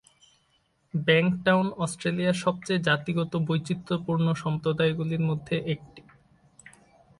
Bankstown অস্ট্রেলিয়ার সবচেয়ে জাতিগত বৈচিত্র্যপূর্ণ সম্প্রদায়গুলির মধ্যে একটি।